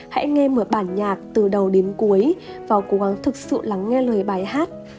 hãy nghe mở bản nhạc từ đầu đến cuối và cố gắng thực sự lắng nghe lời bài hát